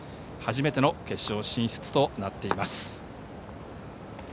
初めての決勝進出となっています。